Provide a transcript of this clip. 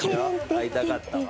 『会いたかった』は。